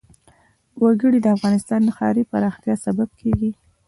وګړي د افغانستان د ښاري پراختیا سبب کېږي.